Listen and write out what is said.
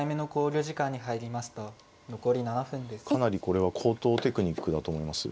かなりこれは高等テクニックだと思います